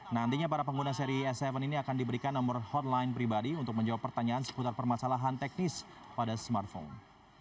nantinya para pengguna seri s tujuh ini akan diberikan nomor hotline pribadi untuk menjawab pertanyaan seputar permasalahan teknis pada smartphone